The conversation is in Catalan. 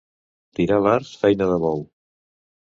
Tirar l'art, feina de bou.